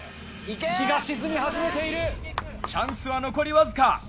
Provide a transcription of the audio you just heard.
日が沈み始めているチャンスは残りわずか。